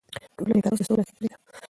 ټولنې تر اوسه سوله ساتلې ده.